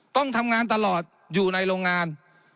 ต้องทำงานตลอดอยู่ในโรงงาน